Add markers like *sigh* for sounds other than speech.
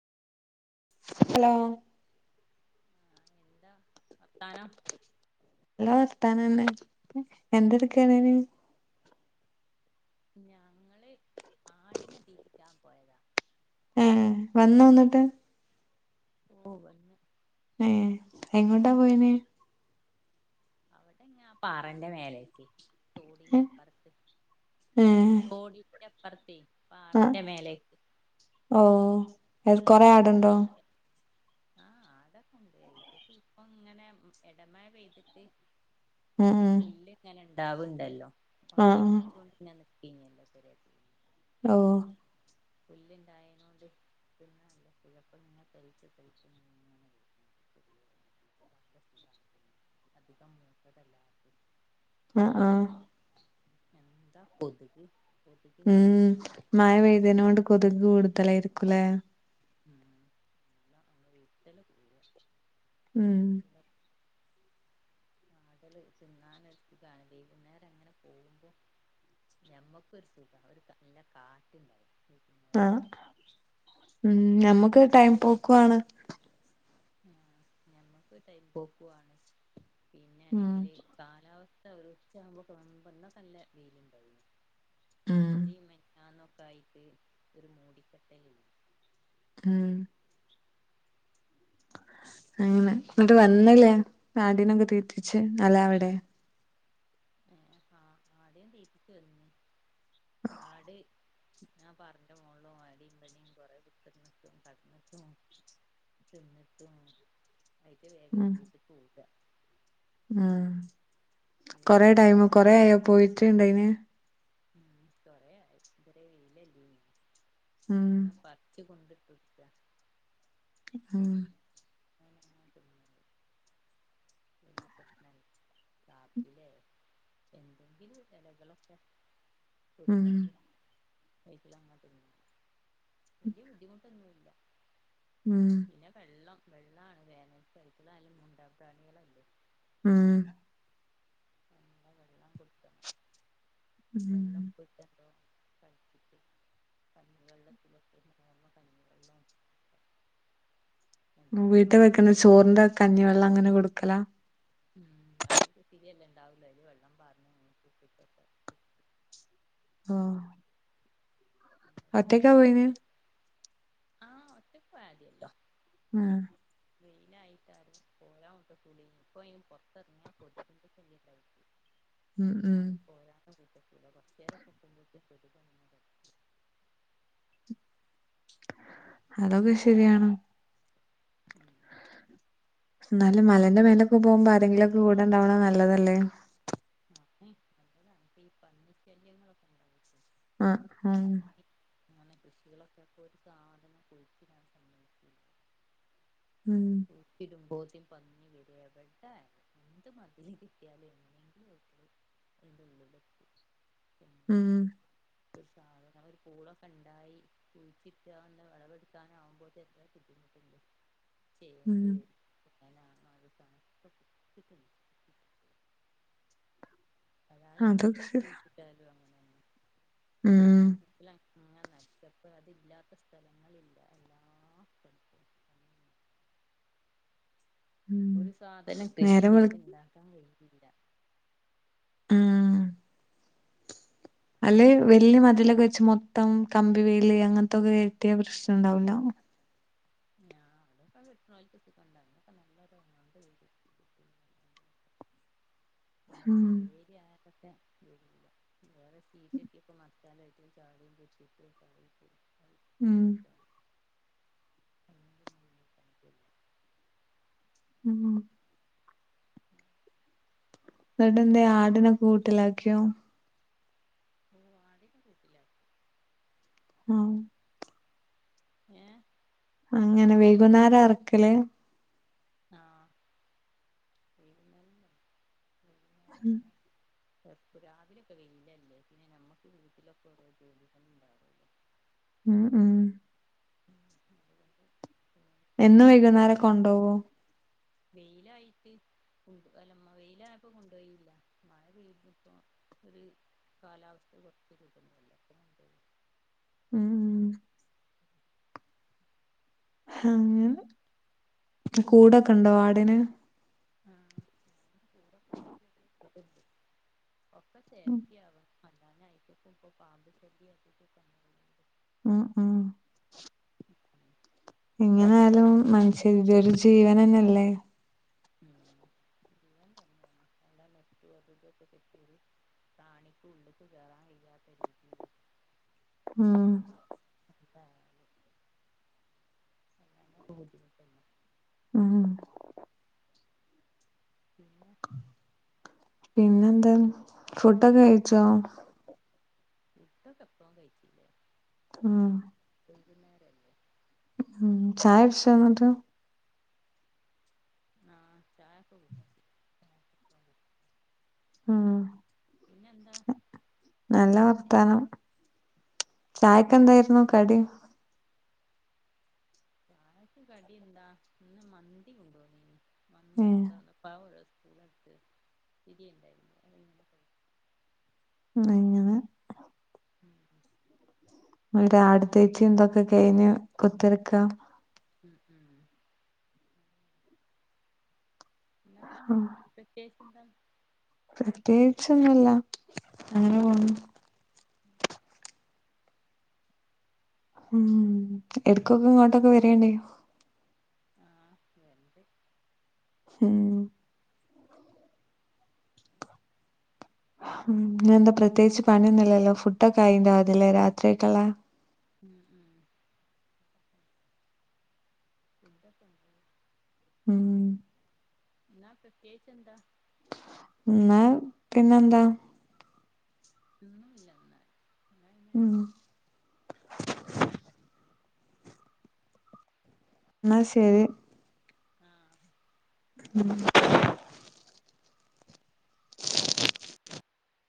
Hello ആഹ് എന്താ ത്താനം കിട്ടാനന്നെ എന്തടുക്കെയാണ്ന് ഞങ്ങള് ആടിനെ തീറ്റാ ഏ വന്നോ ന്നിട്ട് ഓ വ ഏ എങ്ങോട്ടാ പോയിനേ അവിടെങ്ങ പാറന്റെ മേലക്ക് തോടിന്റെ അപ്പുറത്ത് തോ ന്റപ്പർത്തെ ആഹ് ഓ *unintelligible* കുറെ ആടുണ്ടോ ആട് ആഹ് അടൊക്കെ ഇണ്ട് ഇ ഇത് ഇതിപ്പോ ഇങ്ങനെ എടമഴ ചെയ്യ്തിട്ട്. ഉം ഉം പുല്ലിങ്ങ *unintelligible* ണ്ടല്ലോ *inaudible* ആ ആ *unintelligible* ഓ *inaudible* *inaudible* ആഹ് ആഹ് *inaudible* ഉം ശല്യം മഴപെയ്തത്കൊണ്ട് കൊതുക് കൂടുതലായിരിക്കൂല്ലേ *inaudible* ഉം നല്ല *unintelligible* ആഹ് സമയം നമുക്ക് സമയം ഒരു പോകുവാണ് *inaudible* ഉം *unintelligible* *inaudible* ഉം *inaudible* *inaudible* ഉം അങ്ങനെ പിന്നെ എന്നിട്ട് വന്നില്ലേ ആടിനയൊക്കെ തീറ്റിച്ചുവല്ലേ അവിടെ *unintelligible* ഉം *unintelligible* ഉം കുറെ വീട്ട്ക്ക് ഓടി സമയം *inaudible* ഉം *unintelligible* *inaudible* ഉം *unintelligible* *unintelligible* ഉം കൊടുത്താല് വൈറ്റില അങ്ങനെ തിന്നും വലിയ ബുദ്ധിമുട്ടൊന്നുമില്ല ഉം പിന്നെ വെള്ളം വെള്ളാണ് വേനൽക്ക്‌ എവ്ട്ത്തതായാലും മുണ്ടാപ്രാണികൾ ഉം നല്ല വെള്ളം കൊട്ക്കണം ഉം വെള്ളപ്പൊയ്ത്തണ്ടോ *inaudible* കഞ്ഞിവെള്ളത്തിലൊക്കെ *inaudible* കഞ്ഞിവെള്ളും *inaudible* വീട്ടിൽ വെക്ക്ന്ന ചോറിന്റെ കഞ്ഞിവെള്ള അങ്ങനെ കൊടുക്കലാ? ഉം അത് ഇത്തിരിയല്ലെ ഇണ്ടാവുള്ളു. അയ്ല് വെള്ളം പാർന്ന് *inaudible* ആ അകത്തേക്കാ പോയിന്? ആ ഒറ്റക്ക് ആര്യോട്ടോ മ്മ് വെയിലായിട്ടാ പോരാംകൂട്ടാക്കൂലേനി. ഇപ്പ അയ്ന് പൊറ്ത്തെർങ്ങ്യ കൊതുക്ന്റെ ശല്ല്യണ്ടായിട്ട് ഉം ഉം *unintelligible* കൊർച്ചേരം നിക്കുമ്പോത്ത്ന് കൊതുക് *inaudible* അതൊക്കെ ശരി ആണ് ഉം ന്നാലും മലന്റെ മേലൊക്ക് പോകുമ്പോ ആരെങ്കിലു കൂടെണ്ടാവണ നല്ലതല്ലേ? *inaudible* അ ആ ഇങ്ങനെ കൃഷികളൊക്കെ പോയ് ഒരു സാധനം കുഴിച്ചിടാൻ സമ്മയ്ക്കൂല. ഉം ഈ തിരുമ്പ് പന്നി വരു എവടെ എന്ത് മതില് കെട്ടിയാലു എങ്ങനെ *inaudible* മ്മ് ഒര് സാധനങ്ങളു ഒര് പൂളൊക്കണ്ടായി കുഴിച്ചിട്ടാണ്ട് വെളവെടുക്കാനാവുമ്പോത്തേക്ക് പിടിച്ച് *unintelligible* ഉം ചെയ്യണ്ടിവരും. *inaudible* ഏതാലും അതൊക്കെ മുറ്റത്ത് ശരി കുഴിച്ചിട്ടാലു അങ്ങനേ ഉം *unintelligible* ഞാൻ നട്ടപ്പേ അതില്ലാത്ത സ്ഥലങ്ങളില്ല. എല്ലാ സ്ഥലത്തു *unintelligible* ഉം ഒരു സാധനം കൃഷി നേരം വെളു ചെയ്ത്ണ്ടാക്കാൻ വെയ്യ ഇല്ല ഉം അല്ലെ വെല്ല്യ മതിലൊക്കെ വെച് മൊത് ത്തം കമ്പിവേലി അങ്ങൻത്തൊക്കെ കെട്ടിയ പ്രശ്നണ്ടാവൂല ആ അതൊക്കെ കെട്ട്ണോൽക്ക് ഒക്കെ കൊണ്ടാ. അതിനൊക്കെ നല്ലൊരു എമൗണ്ട് വരും. *unintelligible* പിന്നെ ഉം കമ്പിവേലിയാ *inaudible* വേറെ സീറ്റട്ടിയപ്പോ *unintelligible* ചാടയും ഉം *unintelligible* *inaudible* *inaudible* ഉം നടെന്ത ആടിനൊ കൂട്ടിലാക്കിയോ ഓ ആടിനെ കൂട്ടിലാക്കി ആഹ് ഏഹ് അങ്ങനെ വൈകുന്നേരം അറക്കല് ആഹ്ആ ഉംഹ് പ്പ രാവിലൊക്കെ വെയില്ലല്ലേ പിന്നെ നമ്മക്ക് വീട്ടിലൊക്കെരോ ജോലിണ്ടാവൂല്ലോ ഉംഹ് ഉംഹ് *unintelligible* എന്ന് വൈക്ന്നേരം കൊണ്ടോവോ വെയ്ലായിട്ട് കൊണ്ട് അല്ലമ്മ വെയിലായപ്പോ കൊണ്ടോയില്ല മഴ പെയ്തിപ്പോ ഒരു കാലാവസ്ഥ കൊറച്ച് കിട്ടുന്നു *inaudible* ഉംഹ് ഹംഹ് ങ്ങ് കൂടക്കെണ്ടോ ആടിന് ആഹ്ആ കൂട്ടിക്കൊണ്ട് ഒക്കെ സേഫ്റ്റിയാവാ *inaudible* ഇപ്പൊ പാമ്പ് ശല്യ *inaudible* ആഹ്ആ എങ്ങനാലും മനുഷ്യര് ഇതൊര് ജീവനല്ലേ ഉ ശല്യം തന്നെയാണ് എല്ലാം മറ്റും അതിതൊക്കെ കെറ്റിയ ഒരു കാണിക്ക് ഉള്ളിക്ക് കയറാൻ കഴ്യാത്ത രീതിയില് ആഹ് ം വേറെ എന്നാലും ഭൂരി ഇട്ടല ഉംഹ് പിന്നെ പിന്നെന്താ ഫുഡൊക്കെ കഴിച്ചോ ഫുഡോക്കേപ്പൊ കഴിച്ചില്ലേ ആഹ്ആ വൈകുന്നേരല്ലേ ഉംഹ് ചായടിച്ചൊ എന്നിട്ട് ആഹ് ചായെക്കെ കുടിച്ച് ഉംഹ് പിന്നെന്താ നല്ലാ ത്തനം ഇന്നത്തെ ചായക്കെന്തായിര്ന്നു കടീ ചായക്ക് കടി എന്താ ഇന്ന് മന്തി കൊണ്ട് വന്നു മന്തി ഏഹ് കൊണ്ടാന്ന് പ്പ ടുത്ത് *inaudible* ഉണ്ടായിരുന്നു അതിങ്ങനെ *unintelligible* മ്മ്ഹ് എങ്ങനെ ഉം രാട്ത്തേക് എന്തൊക്കെ കഴിഞ്ഞ് കുത്തിരക്കാ ആഹ് എന്ന പിന്നെ പ്രത്യേകിച്ച് എന്താ പ്രത്യേച്ച് ഒന്നുല്ല അങ്ങനെ പോണൂ ഉം എടുക്കൊക്കെ ഇങ്ങോട്ടൊക്കെ വരണ്ടി ആ വരണ്ട് *unintelligible* മ് എന്താ പ്രത്യേകിച്ച് പണിയൊന്നില്ലല്ലോ ഫുഡൊക്കെ ആയിണ്ടാ അതില്ലേ രാത്രിയെക്കുള്ള *inaudible* ഉം. *unintelligible* ന്നാ പ്രത്യേച്ച് എന്താ ന്നാ പിന്നെന്താ? ഒന്നുല്ലാ എന്നാല് ഉം ന്നാ ശരി. ആഹ് ഉം